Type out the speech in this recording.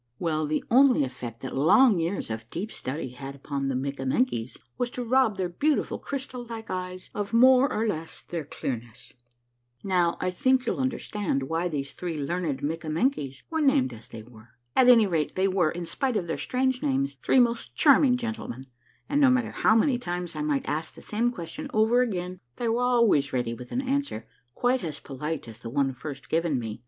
Well, the only effect that long years of deep study had upon the Mikkamenkies was to rob their beauti ful crystal like eyes of more or less of their clearness. Now I think you'll understand why these three learned Mik kamenkies were named as they were. At any rate, they were, in spite of their strange names, three most charming gentlemen ; and no matter how many times I might ask the same question over again, they were always ready with an answer quite as polite as the one first given me.